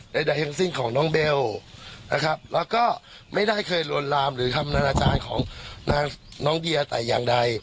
ใดทั้งสิ้นของน้องเบลนะครับแล้วก็ไม่ได้เคยลวนลามหรือคำนานาจารย์ของนางน้องเบียร์แต่อย่างใด